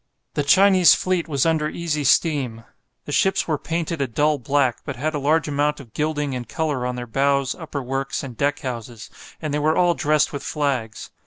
The Chinese fleet was under easy steam. The ships were painted a dull black, but had a large amount of gilding and colour on their bows, upper works, and deck houses, and they were all dressed with flags.